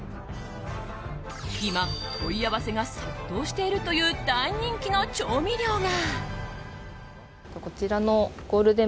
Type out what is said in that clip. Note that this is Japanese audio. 今、問い合わせが殺到しているという大人気の調味料が。